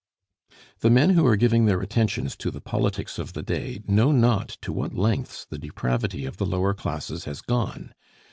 The men who are giving their attentions to the politics of the day know not to what lengths the depravity of the lower classes has gone.